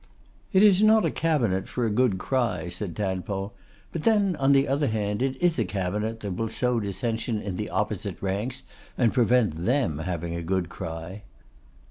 'It is not a Cabinet for a good cry,' said Tadpole; 'but then, on the other hand, it is a Cabinet that will sow dissension in the opposite ranks, and prevent them having a good cry.